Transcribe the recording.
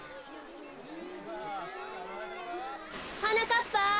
はなかっぱ。